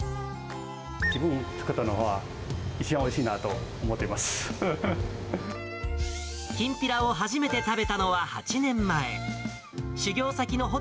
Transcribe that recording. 自分で作ったのが一番おいしきんぴらを始めて食べたのは８年前。